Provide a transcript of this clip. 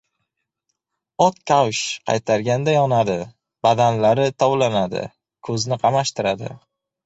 Ot kavsh qaytarganda yonadi! Badanlari tovlanadi, ko‘zni qamashtiradi!